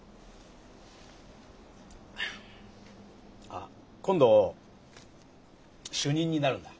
あっ今度主任になるんだ。